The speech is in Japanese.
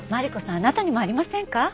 あなたにもありませんか？